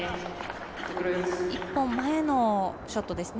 １本前のショットですね。